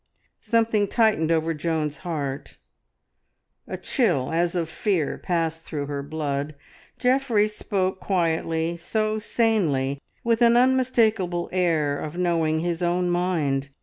Something tightened over Joan's heart; a chill as of fear passed through her blood. Geoffrey spoke quietly, so sanely, with an unmistakable air of knowing his own mind.